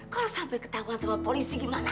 kalau sampai ketakutan sama polisi gimana